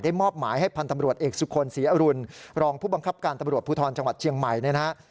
มอบหมายให้พันธ์ตำรวจเอกสุคลศรีอรุณรองผู้บังคับการตำรวจภูทรจังหวัดเชียงใหม่เนี่ยนะฮะ